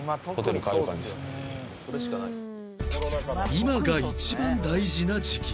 今が一番大事な時期